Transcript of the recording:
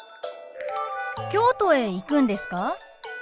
京都へ行くんですか？